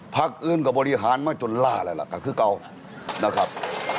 อื่นก็บริหารมาจนล่าแล้วล่ะก็คือเก่านะครับ